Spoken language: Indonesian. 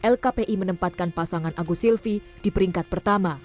lkpi menempatkan pasangan agus silvi di peringkat pertama